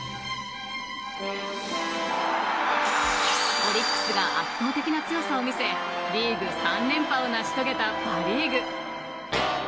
オリックスが圧倒的な強さを見せリーグ３連覇を成し遂げたパ・リーグ。